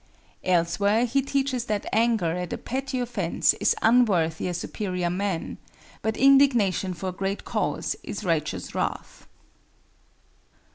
Elsewhere he teaches that anger at a petty offense is unworthy a superior man, but indignation for a great cause is righteous wrath.